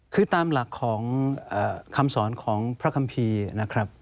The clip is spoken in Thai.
คือตามหลักของคำสอนของพระคัมภีร์นะครับ